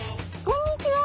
「こんにちは」。